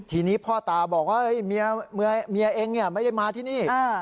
ทีนี้พ่อตาบอกว่าเมียเองไม่ได้มาที่นี่